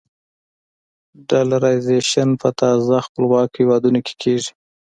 ډالرایزیشن په تازه خپلواکو هېوادونو کې کېږي.